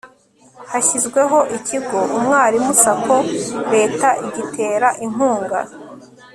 hashyizweho ikigo umwalimu-sacco leta igitera inkunga